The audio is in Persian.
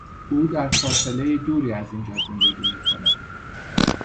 او در فاصلهی دوری از اینجا زندگی میکند.